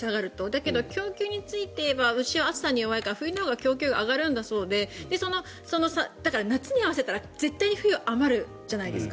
だけど、供給に関して言えば牛は朝が弱いから冬のほうが供給は上がるんだそうで夏に合わせたら絶対に冬、余るじゃないですか。